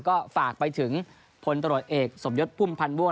ก็ฝากไปถึงพลตรวจเอกสมยศพุ่มพันธ์ม่วง